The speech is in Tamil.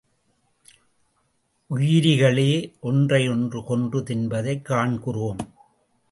உயிரிகளே ஒன்றை ஒன்று கொன்று தின்பதைக் காண்கிறோம்.